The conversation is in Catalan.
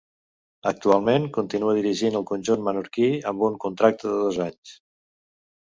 Actualment continua dirigint el conjunt menorquí amb un contracte de dos anys.